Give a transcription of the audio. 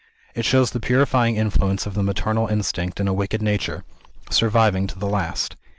It shows the purifying influence of the maternal instinct in a wicked nature, surviving to the last.